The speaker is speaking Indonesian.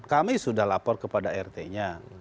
kami sudah lapor kepada rt nya